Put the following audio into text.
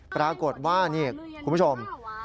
ปรากฏว่านี่คุณผู้ชม